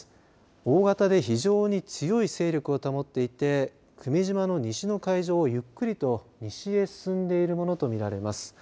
大型で非常に強い勢力を保っていて久米島の西の海上をゆっくりと西へ進んでいるものと見られます。